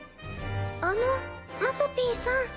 あのまさぴーさん